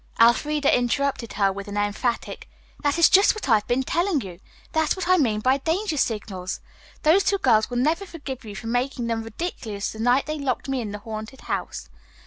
Elfreda interrupted her with an emphatic: "That is just what I've been telling you. That's what I mean by danger signals. Those two girls will never forgive you for making them ridiculous the night they locked me in the haunted house.